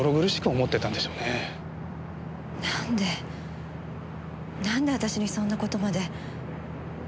なんでなんで私にそんな事まで？